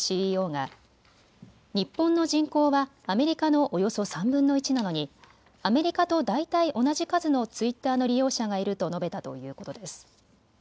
ＣＥＯが日本の人口はアメリカのおよそ３分の１なのにアメリカとだいたい同じ数のツイッターの利用者がいると述べたということです。